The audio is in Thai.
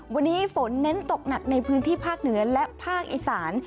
วันนี้ฝนเน้นตกหนักในพื้นที่ภาคเหนือและภาคอีสาน